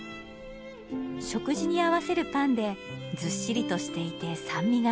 食事に合わせるパンでずっしりとしていて酸味があります。